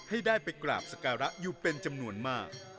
ให้ได้ไปกราบสการะอยู่เป็นจำนวนมาก